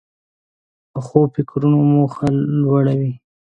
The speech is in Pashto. پخو فکرونو موخه لوړه وي